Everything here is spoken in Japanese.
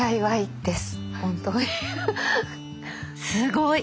すごい！